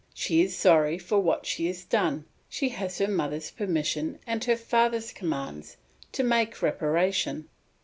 She is sorry for what she has done, she has her mother's permission and her father's commands to make reparation.